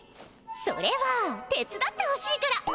それは手つだってほしいから。